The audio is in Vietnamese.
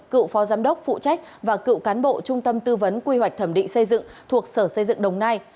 cựu phó giám đốc phụ trách và cựu cán bộ trung tâm tư vấn quy hoạch thẩm định xây dựng thuộc sở xây dựng đồng nai